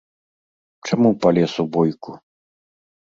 Чаму палез у бойку?